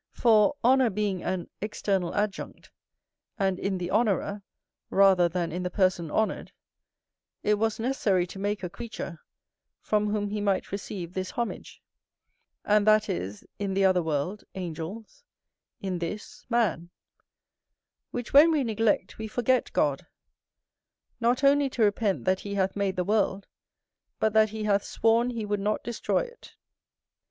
For, honour being an external adjunct, and in the honourer rather than in the person honoured, it was necessary to make a creature, from whom he might receive this homage: and that is, in the other world, angels, in this, man; which when we neglect, we forget God, not only to repent that he hath made the world, but that he hath sworn he would not destroy it.